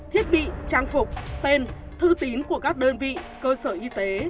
thiết bị trang phục tên thư tín của các đơn vị cơ sở y tế